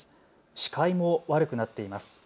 視界も悪くなっています。